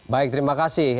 baik terima kasih